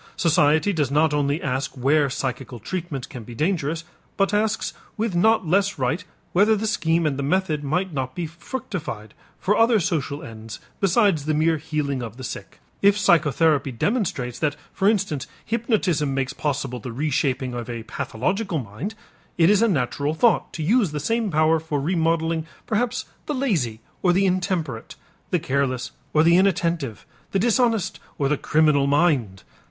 Society does not only ask where psychical treatment can be dangerous, but asks with not less right whether the scheme and the method might not be fructified for other social ends besides the mere healing of the sick. If psychotherapy demonstrates that for instance hypnotism makes possible the reshaping of a pathological mind, it is a natural thought to use the same power for remodeling perhaps the lazy or the intemperate, the careless or the inattentive, the dishonest or the criminal mind.